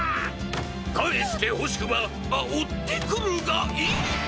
かえしてほしくばあおってくるがいいビ！